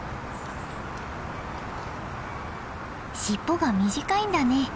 尻尾が短いんだね。